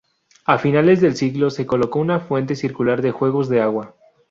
A finales del siglo se colocó una fuente circular de juegos de agua.